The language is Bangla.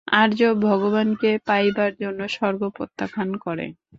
আর্য ভগবানকে পাইবার জন্য স্বর্গ প্রত্যাখ্যান করে।